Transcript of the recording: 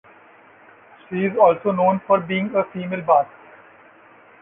She is also known for being a female bass.